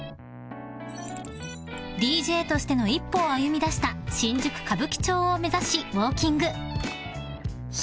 ［ＤＪとしての一歩を歩みだした新宿歌舞伎町を目指しウオーキング］